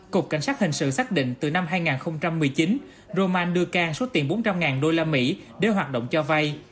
cục cảnh sát hình sự xác định từ năm hai nghìn một mươi chín roman đưa can số tiền bốn trăm linh usd để hoạt động cho vay